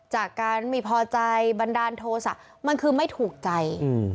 จากการไม่พอใจบันดาลโทษะมันคือไม่ถูกใจ